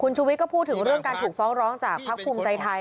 ชุวิตก็พูดถึงเรื่องการถูกฟ้องร้องจากพักภูมิใจไทย